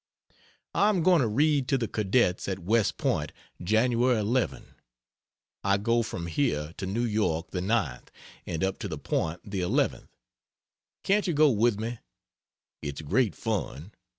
I am going to read to the Cadets at West Point Jan. 11. I go from here to New York the 9th, and up to the Point the 11th. Can't you go with me? It's great fun.